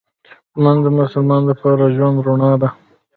لمونځ د مسلمان لپاره د ژوند رڼا ده